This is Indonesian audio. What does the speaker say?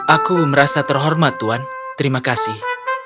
aku merasa terhormat tuan terima kasih